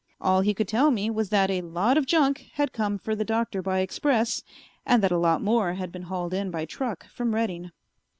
All he could tell me was that a "lot of junk" had come for the Doctor by express and that a lot more had been hauled in by truck from Redding.